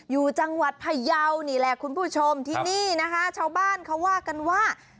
อยู่จังหวัดพยาวนี่แหละคุณผู้ชมที่นี่นะคะชาวบ้านเขาว่ากันว่า